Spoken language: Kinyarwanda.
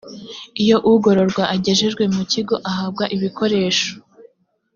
iyo ugororwa agejejwe mu kigo ahabwa ibikoresho.